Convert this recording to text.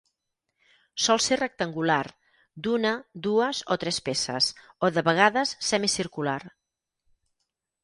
Sol ser rectangular d'una, dues o tres peces, o de vegades semicircular.